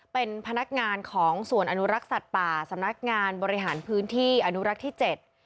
เป็นพนักงานของส่วนอนุรักษ์สัตว์ป่าสำนักงานบริหารพื้นที่อนุรักษ์ที่เจ็ด